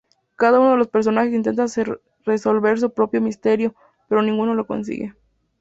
Cada uno de los personajes intenta resolver su propio misterio, pero ninguno lo consigue.